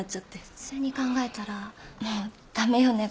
普通に考えたらもう駄目よね